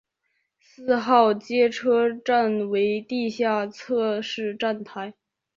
四号街车站为地下侧式站台。